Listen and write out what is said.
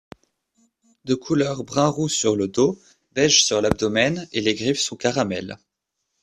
De couleur brun-roux sur le dos, beige sur l'abdomène et les griffes sont caramel.